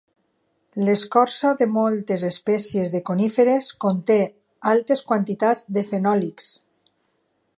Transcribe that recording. L'escorça de moltes espècies de coníferes conté altes quantitats de fenòlics.